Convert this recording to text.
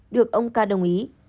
được ông ca đồng ý